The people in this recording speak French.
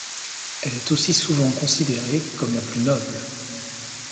Elle est aussi souvent considérée comme la plus noble.